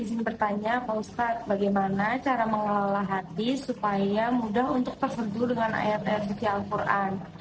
izin bertanya pak ustadz bagaimana cara mengelola hati supaya mudah untuk terserbu dengan ayat ayat tiga al quran